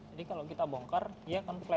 jadi kalau kita bongkar dia akan flat